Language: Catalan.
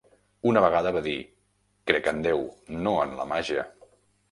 Una vegada va dir: crec en Déu, no en la màgia.